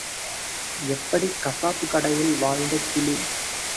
எப்படி—கசாப்புக் கடையில் வாழ்ந்த கிளி?